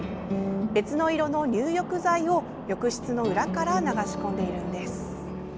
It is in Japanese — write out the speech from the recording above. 別の色の入浴剤を浴室の裏から流し込んでいるんです。